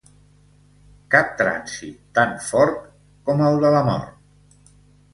Cap trànsit tan fort com el de la mort.